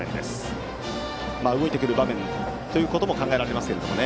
動いてくる場面ということも考えられますね。